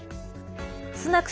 スナク